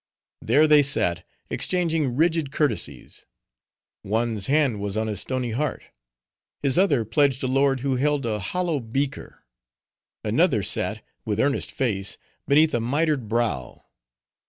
There they sat, exchanging rigid courtesies. One's hand was on his stony heart; his other pledged a lord who held a hollow beaker. Another sat, with earnest face beneath a mitred brow.